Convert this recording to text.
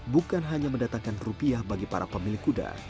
bukan hanya mendatangkan rupiah bagi para pemilik kuda